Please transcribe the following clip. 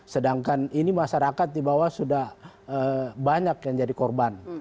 sedangkan ini masyarakat di bawah sudah banyak yang jadi korban